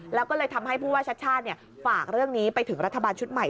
แล้วก็เลยทำให้ผู้ว่าชาติชาติฝากเรื่องนี้ไปถึงรัฐบาลชุดใหม่